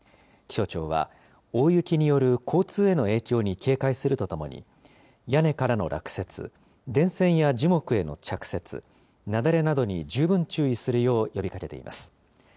気象庁は、大雪による交通への影響に警戒するとともに、屋根からの落雪、電線や樹木への着雪、雪崩などに十分注意するよう呼びかけています。